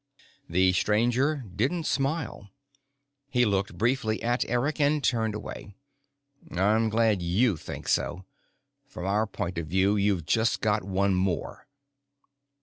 The Stranger didn't smile. He looked briefly at Eric and turned away. "I'm glad you think so. From our point of view, you've just got one more."